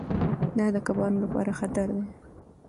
دا د کبانو لپاره خطر دی.